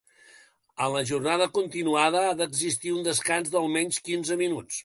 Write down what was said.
En la jornada continuada ha d'existir un descans d'almenys quinze minuts.